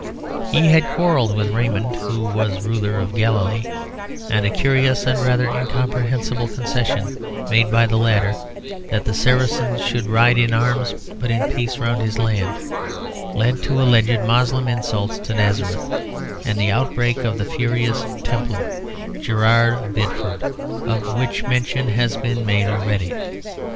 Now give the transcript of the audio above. He had quarrelled with Raymond, who was ruler of Galilee, and a curious and rather incomprehensible concession made by the latter, that the Saracens should ride in arms but in peace round his land, led to alleged Moslem insults to Nazareth, and the outbreak of the furious Templar, Gerard of Bideford, of which mention has been made already.